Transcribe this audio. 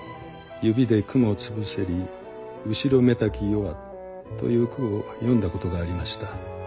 「指で蜘蛛潰せり後ろめたき夜は」という句を詠んだことがありました。